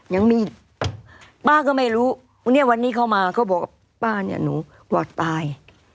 ยังมีป้าก็ไม่รู้วันนี้เขามาเขาบอกป้าเนี่ยหนูกว่าตาย